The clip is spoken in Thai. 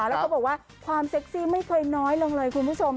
แล้วเขาบอกว่าความเซ็กซี่ไม่เคยน้อยลงเลยคุณผู้ชม